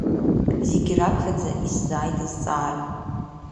Зегьы раԥхьаӡа исзааиит азҵаара.